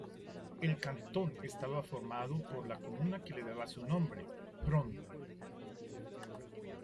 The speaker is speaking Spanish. El cantón estaba formado por la comuna que le daba su nombre, Bron.